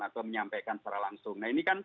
atau menyampaikan secara langsung